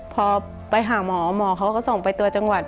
พอไปหาหมอหมอเขาก็ส่งไปตัวจังหวัด